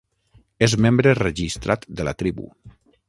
És membre registrat de la tribu.